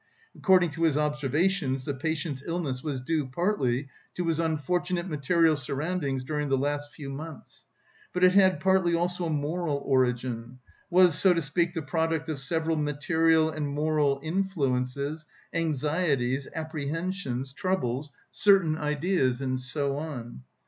According to his observations the patient's illness was due partly to his unfortunate material surroundings during the last few months, but it had partly also a moral origin, "was, so to speak, the product of several material and moral influences, anxieties, apprehensions, troubles, certain ideas... and so on."